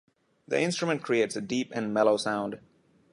This instrument creates a deep and mellow sound.